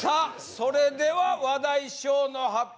それでは話題賞の発表